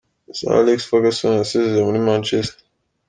Sir Alex Ferguson yasezeye muri Manchester.